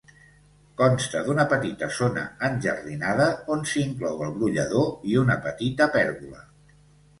Consta d'una petita zona enjardinada on s'inclou el brollador i una petita pèrgola.